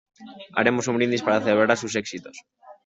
Haremos un brindis para celebrar sus éxitos.